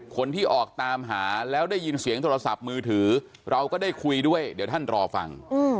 คนที่ออกตามหาแล้วได้ยินเสียงโทรศัพท์มือถือเราก็ได้คุยด้วยเดี๋ยวท่านรอฟัง